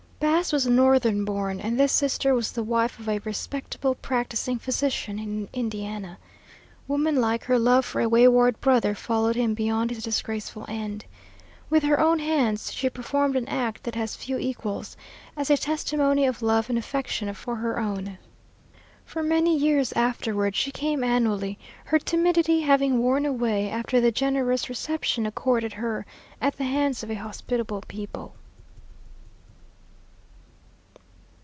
Bass was Northern born, and this sister was the wife of a respectable practicing physician in Indiana. Womanlike, her love for a wayward brother followed him beyond his disgraceful end. With her own hands she performed an act that has few equals, as a testimony of love and affection for her own. For many years afterward she came annually, her timidity having worn away after the generous reception accorded her at the hands of a hospitable people.